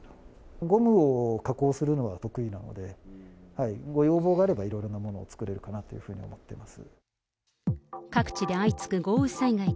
ゴムを加工するのは得意なので、ご要望があればいろいろなものを作れるかなというふうに思ってます。